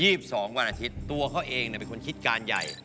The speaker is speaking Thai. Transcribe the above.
๒๒วันอาทิตย์ตัวเขาเองเป็นคนคิดการใหญ่